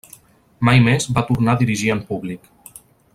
Mai més va tornar a dirigir en públic.